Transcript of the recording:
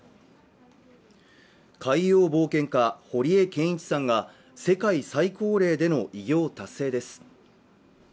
海洋冒険家、堀江謙一さんが世界最高齢での偉業達成です